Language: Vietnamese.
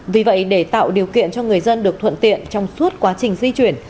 vì vậy để tạo điều kiện cho người dân được thuận tiện trong suốt quá trình di chuyển